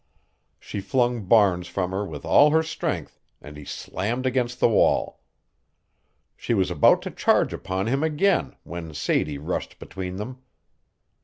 She flung Barnes from her with all her strength and he slammed against the wall. She was about to charge upon him again when Sadie rushed between them.